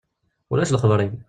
Ulac lexber-im.